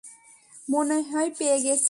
মনে হয় পেয়ে গেছি!